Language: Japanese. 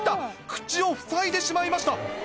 口をふさいでしまいました！